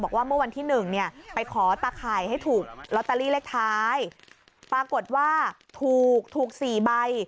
บอกว่าเมื่อวันที่หนึ่งเนี้ยไปขอตักไข่ให้ถูกเล็กท้ายปรากฏว่าถูกถูกสี่ใบ